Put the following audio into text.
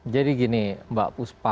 jadi gini mbak puspa